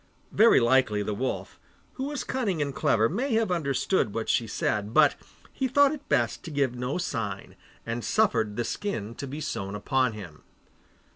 Very likely the wolf, who was cunning and clever, may have understood what she said, but he thought it best to give no sign, and suffered the skin to be sewn upon him.